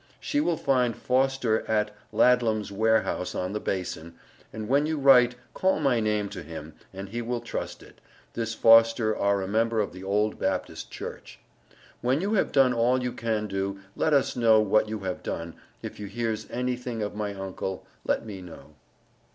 She will find Foster at ladlum's warehouse on the Basin, and when you write call my name to him and he will trust it. this foster are a member of the old Baptist Church. When you have done all you can do let us know what you have done, if you hears anything of my uncle let me know.